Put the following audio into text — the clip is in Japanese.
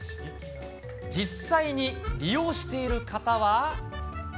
実際に利用している方は。